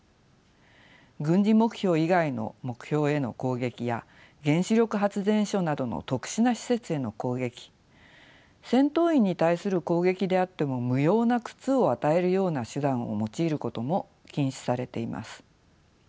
軍事目標以外の目標への攻撃や原子力発電所などの特殊な施設への攻撃戦闘員に対する攻撃であっても無用な苦痛を与えるような手段を用いることも禁止されています。